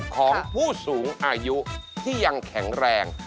ของผู้สูงอายุที่ยังแข็งแรง